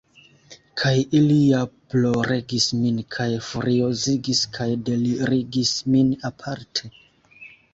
Kaj ili ja ploregis min kaj furiozigis kaj delirigis min, aparte.